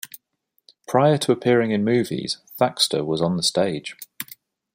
Prior to appearing in movies, Thaxter was on the stage.